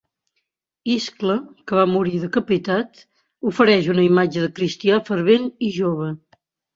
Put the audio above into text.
Iscle, que va morir decapitat, ofereix una imatge de cristià fervent i jove.